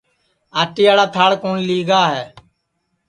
آٹے یاڑا تھاݪ کُوٹؔ لی گا ہے